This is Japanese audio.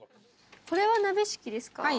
これは鍋敷きですか？